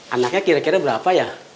anaknya kira kira berapa ya